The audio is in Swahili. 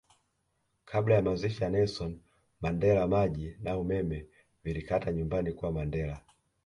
Kabla ya mazishi ya Nelson Mandela maji na umeme vilikata nyumbani kwa Mandela